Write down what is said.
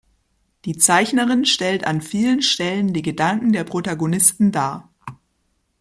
Die Zeichnerin stellt an vielen Stellen die Gedanken der Protagonisten dar.